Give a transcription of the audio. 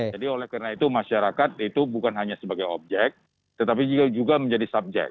jadi oleh karena itu masyarakat itu bukan hanya sebagai objek tetapi juga menjadi subjek